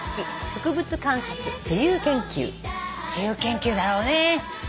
「自由研究」だろうね。